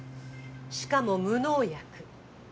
しかも無農薬。